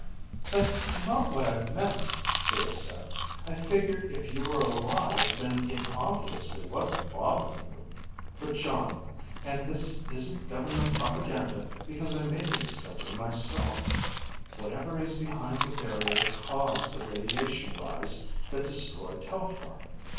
"That's not what I meant," Clea said. "I figured if you were alive, then it obviously wasn't bothering you. But Jon, and this isn't government propaganda, because I made the discovery myself: whatever is behind the barrier caused the radiation rise that destroyed Telphar.